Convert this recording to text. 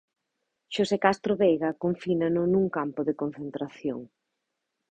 Xosé Castro Veiga confínano nun campo de concentración.